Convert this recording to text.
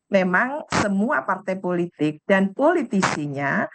memang semua partai politik dan politisinya